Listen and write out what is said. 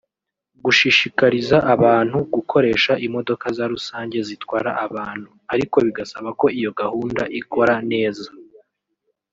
Gushishikariza abantu gukoresha imodoka za rusange zitwara abantu (ariko bigasaba ko iyo gahunda ikora neza)